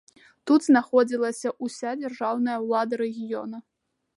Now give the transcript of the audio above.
Тут знаходзілася ўся дзяржаўная ўлада рэгіёна.